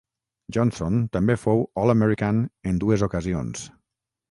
Johnson també fou All-American en dues ocasions.